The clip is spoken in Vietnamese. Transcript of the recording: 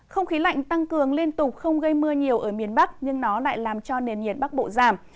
không khí lạnh tăng cường liên tục không gây mưa nhiều ở miền bắc nhưng nó lại làm cho nền nhiệt bắc bộ giảm